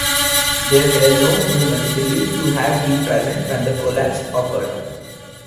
There were no women believed to have been present when the collapse occurred.